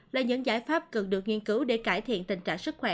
là những giải pháp cần được nghiên cứu để cải thiện tình trạng sức khỏe